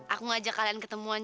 aku ngajak kalian ketemuan